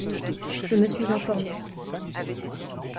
Je me suis informé